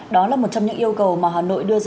đó là một trong những yêu cầu mà hà nội đã đề nghị